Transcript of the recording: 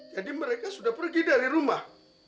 jadi mereka sudah pergi dari rumah